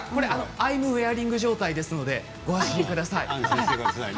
アイムウェアリング状態なのでご安心ください。